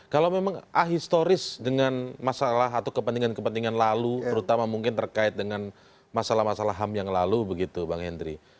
kalau memang ahistoris dengan masalah atau kepentingan kepentingan lalu terutama mungkin terkait dengan masalah masalah ham yang lalu begitu bang hendry